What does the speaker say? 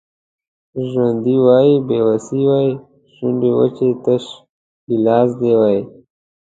ژوند وای بې وسي وای شونډې وچې تش ګیلاس دي وای